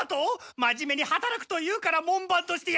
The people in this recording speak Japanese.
真面目にはたらくというから門番としてやとったのに！